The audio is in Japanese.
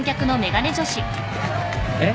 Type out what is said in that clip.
えっ？